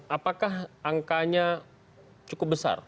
apakah angkanya cukup besar